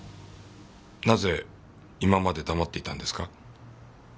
なぜ今まで黙っていたんですか？